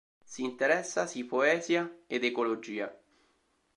Si interessa si poesia ed ecologia.